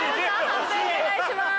判定お願いします。